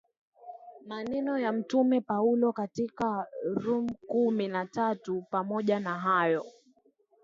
maneno ya Mtume Paulo katika Rum kumi na tatu Pamoja na hayo